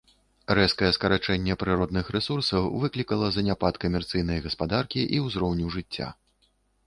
Рэзкае скарачэнне прыродных рэсурсаў выклікала заняпад камерцыйнай гаспадаркі і ўзроўню жыцця.